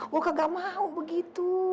gue kagak mau begitu